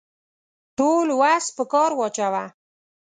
ټول وس په کار واچاوه.